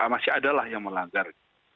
masih adalah yang melanggar